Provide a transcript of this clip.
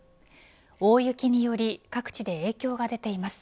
大雪により各地で影響が出ています。